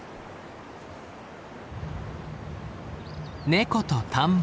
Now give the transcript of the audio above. ネコと田んぼ。